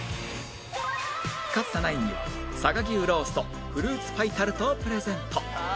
勝ったナインには佐賀牛ロースとフルーツパイタルトをプレゼント